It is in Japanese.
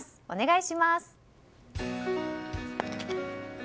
お願いします。